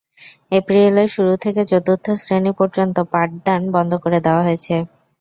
এপ্রিলের শুরু থেকে চতুর্থ শ্রেণি পর্যন্ত পাঠদান বন্ধ করে দেওয়া হয়েছে।